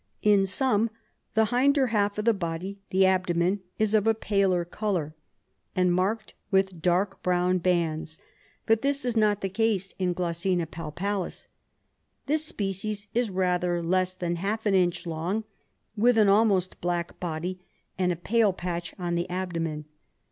In some the hinder half of the body, the abdomen, is of a paler colour, 36 RESEARCH DEFENCE SOCIETY and marked with dark brown bands, but this is not the case in G. palpalis ; this species is rather less than half an inch long, with an almost black body and a pale patch on the abdomen.